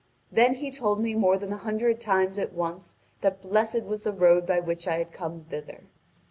Then he told me more than a hundred times at once that blessed was the road by which I had come thither.